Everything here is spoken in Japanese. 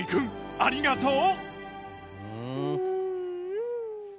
ありがとう。